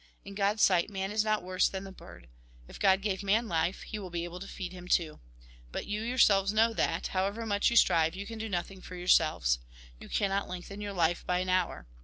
In God's sight, man is not worse than the bird. If God gave man life. He will be able to feed him too. But you yourselves know that, however much you strive, you can do nothing for yourselves. You cannot lengthen your life by an hour.